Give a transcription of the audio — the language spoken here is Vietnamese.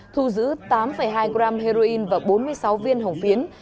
thu giữ tám hai gram heroin và bốn mươi sáu viên hồng phiến